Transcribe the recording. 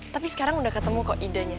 tapi sekarang udah ketemu kok idenya